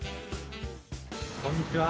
こんにちは。